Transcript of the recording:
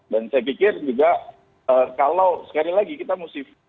dan saya pikir juga kalau sekali lagi kita mesti